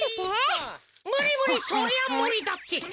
むりむりそりゃむりだって。